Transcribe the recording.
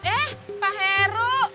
eh pak heru